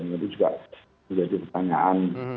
itu juga menjadi pertanyaan